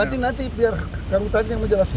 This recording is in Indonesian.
nanti nanti biar tanggung tanya menjelaskan